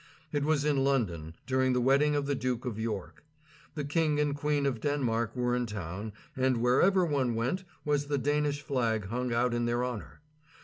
It was in London, during the wedding of the Duke of York. The king and queen of Denmark were in town, and wherever one went was the Danish flag hung out in their honor.